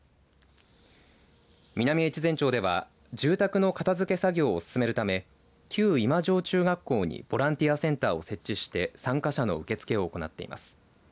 南越前町では住宅の片づけ作業を進めるため旧今庄中学校にボランティアセンターを設置して参加者の受け付けを行っています。